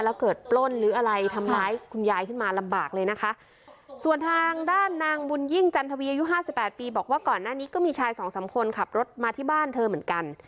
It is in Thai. แล้วเกิดปล้นหรืออะไรทำร้ายคุณยายขึ้นมาลำบากเลยนะคะส่วนทางด้านนางบุญยิ่งจันทวีอายุห้าสิบแปดปีบอกว่าก่อนหน้านี้ก็มีชายสองสามคนขับรถมาที่บ้านเธอเหมือนกัน